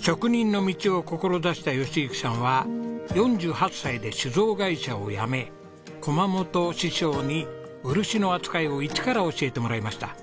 職人の道を志した喜行さんは４８歳で酒造会社を辞め駒本師匠に漆の扱いを一から教えてもらいました。